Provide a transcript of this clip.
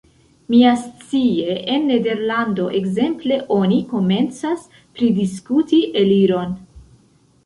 Miascie en Nederlando, ekzemple, oni komencas pridiskuti eliron.